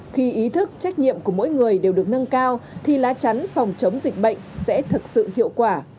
khi ý thức trách nhiệm của mỗi người đều được nâng cao thì lá chắn phòng chống dịch bệnh sẽ thực sự hiệu quả